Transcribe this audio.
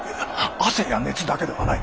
汗や熱だけではない。